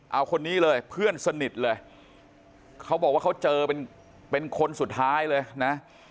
เอาคนนี้เลยเพื่อนสนิทเลยเขาบอกว่าเขาเจอเป็นคนสุดท้ายเลยนะ